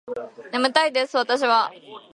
眠たいです私は